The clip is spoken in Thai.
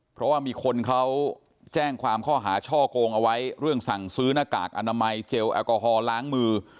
เพราะว่ามีคนเขาแจ้งความข้อหาช่อกงเอาไว้เรื่องสั่งซื้อหน้ากากอนามัยเจลแอลกอฮอลล้างมือ